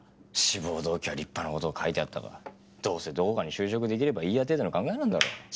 志望動機は立派な事を書いてあったがどうせどこかに就職出来ればいいや程度の考えなんだろう。